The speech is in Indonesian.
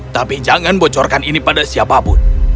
tapi jangan bocorkan ini pada siapapun